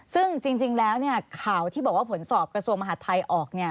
ซึ่งจริงแล้วข่าวที่บอกว่าผลสอบกระทรวงมหาดไทยออก